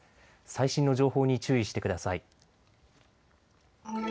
最新の情報に注意してください。